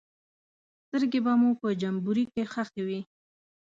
سترګې به مو په جمبوري کې ښخې وې.